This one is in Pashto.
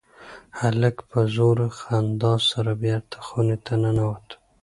هلک په زوره خندا سره بېرته خونې ته ننوت.